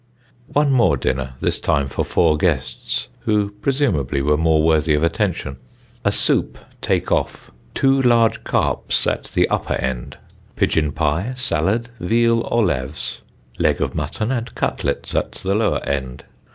One more dinner, this time for four guests, who presumably were more worthy of attention: A soup take off. Two large carps at the upper end. Pidgeon pie, salad, veal ollaves, Leg of mutton, and cutlets at the lower end.